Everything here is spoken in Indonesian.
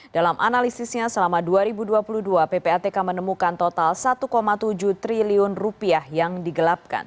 dalam analisisnya selama dua ribu dua puluh dua ppatk menemukan total satu tujuh triliun rupiah yang digelapkan